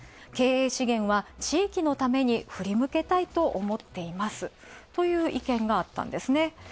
経営資源は地域のために振り向けたいと思っていますと意見があったんですね。